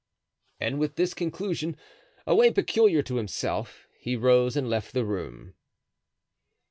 And with this conclusion—a way peculiar to himself—he rose and left the room.